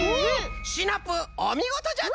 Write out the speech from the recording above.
シナプーおみごとじゃった！